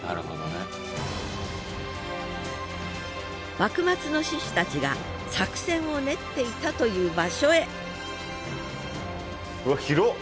幕末の志士たちが作戦を練っていたという場所へうわ広っ！